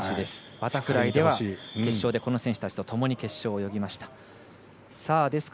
バタフライでは、決勝をこの選手たちとともに決勝を泳ぎました。